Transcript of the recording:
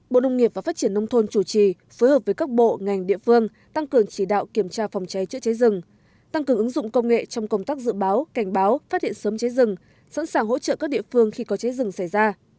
bộ nông nghiệp và phát triển nông thôn chủ trì phối hợp với các bộ ngành địa phương tăng cường chỉ đạo kiểm tra phòng cháy chữa cháy rừng tăng cường ứng dụng công nghệ trong công tác dự báo cảnh báo phát hiện sớm cháy rừng sẵn sàng hỗ trợ các địa phương khi có cháy rừng xảy ra